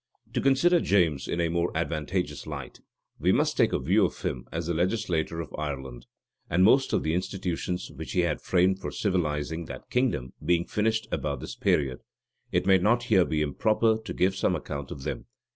To consider James in a more advantageous light, we must take a view of him as the legislator of Ireland; and most of the institutions which he had framed for civilizing that kingdom being finished about this period, it may not here be improper to give some account of them.